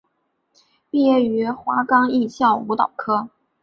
毕业于华冈艺校舞蹈科。